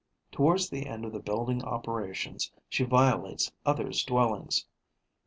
Towards the end of the building operations, she violates others' dwellings.